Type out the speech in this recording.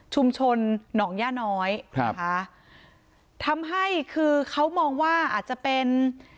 หนองย่าน้อยครับนะคะทำให้คือเขามองว่าอาจจะเป็น